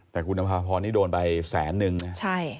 แต่คุณภพพอนี่โดนไปแสนนึงใช่